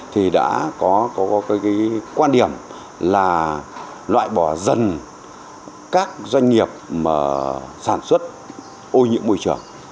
thì đã có quan điểm là loại bỏ dần các doanh nghiệp mà sản xuất ô nhiễm môi trường